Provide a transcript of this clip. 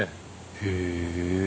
へえ。